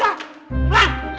enggak gue mau keluar